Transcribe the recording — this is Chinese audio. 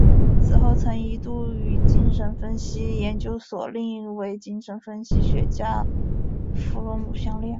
此后曾一度与精神分析研究所另一位精神分析学家弗洛姆相恋。